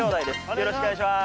よろしくお願いします